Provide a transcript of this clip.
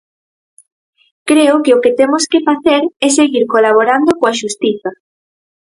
Creo que o que temos que facer é seguir colaborando coa xustiza.